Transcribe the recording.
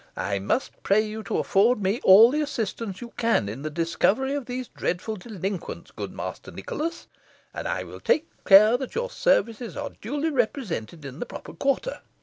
I must pray you to afford me all the assistance you can in the discovery of these dreadful delinquents, good Master Nicholas, and I will care that your services are duly represented in the proper quarter.